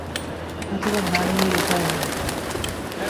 অথচ না নিয়েও উপায় নেই।